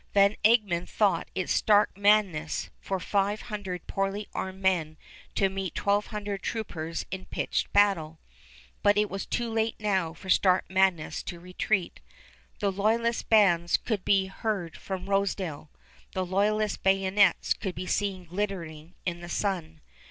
Van Egmond thought it stark madness for five hundred poorly armed men to meet twelve hundred troopers in pitched battle; but it was too late now for stark madness to retreat. The loyalist bands could be heard from Rosedale; the loyalists' bayonets could be seen glittering in the sun.